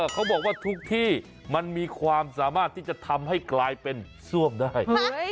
เขาบอกว่าทุกที่มันมีความสามารถที่จะทำให้กลายเป็นซ่วมได้